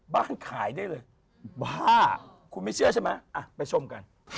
บ้านขายได้เลยบ้าคุณไม่เชื่อใช่ไหมไปชมกัน